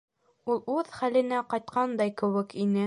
Ул үҙ хәленә ҡайтҡандай кеүек ине.